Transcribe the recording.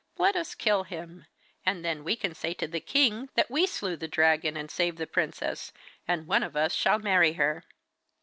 Let us kill him, and then we can say to the king that we slew the dragon and saved the princess, and one of us shall marry her.